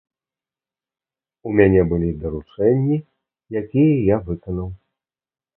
У мяне былі даручэнні, якія я выканаў.